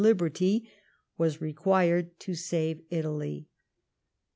173 liberty — was required to save Italy.